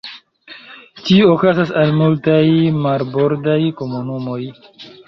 Tiu okazas al multaj marbordaj komunumoj.